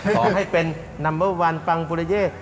ขอให้เป็นนัมเบอร์วันปังปุริเย่